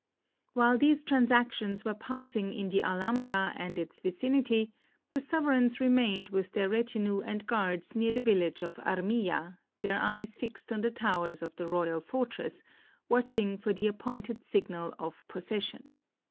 While these transactions were passing in the Alham bra and its vicinity, the sovereigns remained with their retinue and guards near the village of Armilla, their eyes fixed on the towers of the royal fortress, watching for the appointed signal of possession.